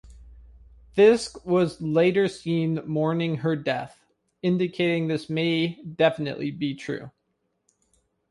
Fisk was later seen mourning her death, indicating this may definitely be true.